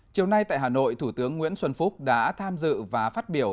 chiều nay tại hà nội thủ tướng nguyễn xuân phúc đã tham dự và phát biểu